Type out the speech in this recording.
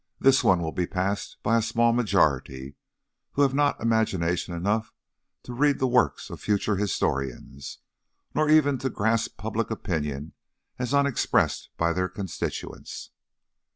This one will be passed by a small majority who have not imagination enough to read the works of future historians, nor even to grasp public opinion as unexpressed by their constituents.